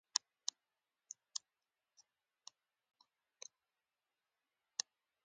خټکی پوخ شو، خټکي پاخه شول